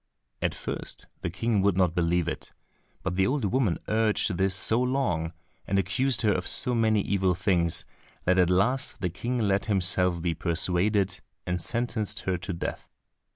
At first the King would not believe it, but the old woman urged this so long, and accused her of so many evil things, that at last the King let himself be persuaded and sentenced her to death.